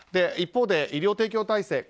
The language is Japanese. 一方で医療提供体制